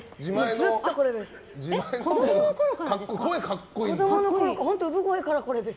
ずっとこれです。